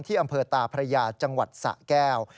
อำเภอตาพระยาจังหวัดสะแก้ว